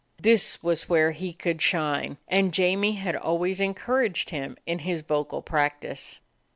This was where he could shine, and Jamie had always encouraged him in his vocal practice.